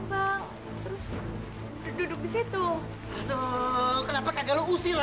lala nggak boleh sedih